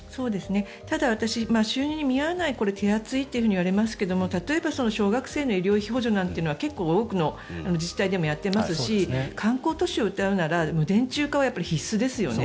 ただ、私収入に見合わない、手厚いと言われますけれども例えば小学生の医療費補助なんてのは結構多くの自治体でもやってますし観光都市をうたうなら無電柱化は必須ですよね。